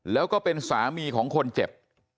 แล้วก็เป็นสามีของคนเจ็บ